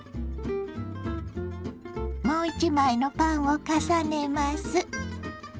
もう一枚のパンを重ねます。